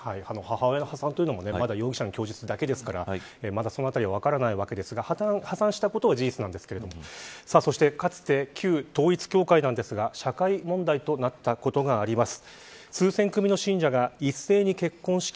母親の破産というのもまだ容疑者の供述だけですからまだ、その辺りは分からないわけですが破綻したことは事実なんですがかつて旧統一教会ですが社会問題となったことがあります。